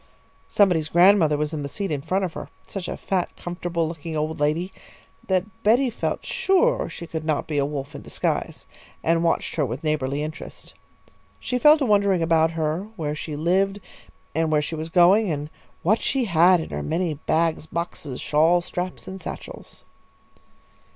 Somebody's grandmother was in the seat in front of her, such a fat, comfortable looking old lady, that Betty felt sure she could not be a Wolf in disguise, and watched her with neighbourly interest. She fell to wondering about her, where she lived and where she was going, and what she had in her many bags, boxes, shawl straps, and satchels.